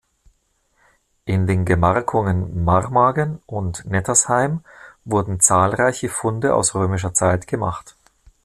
In den Gemarkungen Marmagen und Nettersheim wurden zahlreiche Funde aus römischer Zeit gemacht.